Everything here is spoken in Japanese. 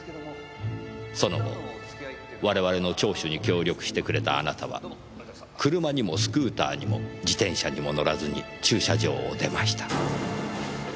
その後我々の聴取に協力してくれたあなたは車にもスクーターにも自転車にも乗らずに駐車場を出ました。